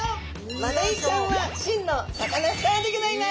マダイちゃんは真のサカナスターでギョざいます！